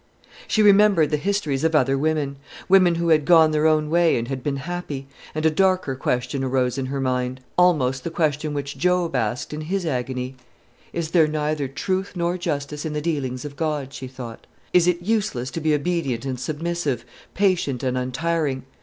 She remembered the histories of other women, women who had gone their own way and had been happy; and a darker question arose in her mind; almost the question which Job asked in his agony. "Is there neither truth nor justice in the dealings of God?" she thought. "Is it useless to be obedient and submissive, patient and untiring?